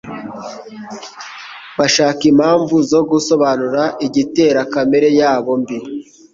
bashaka impamvu zo gusobanura igitera kamere yabo mbi.